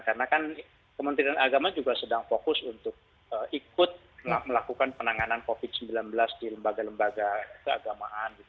karena kan kementerian agama juga sedang fokus untuk ikut melakukan penanganan covid sembilan belas di lembaga lembaga keagamaan